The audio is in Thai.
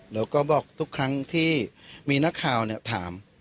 แล้วก็บอกทุกครั้งที่มีนักข่าวถาม